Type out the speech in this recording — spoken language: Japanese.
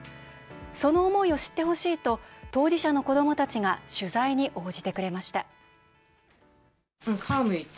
その思いを知ってほしいと当事者の子どもたちが取材に応じてくれました。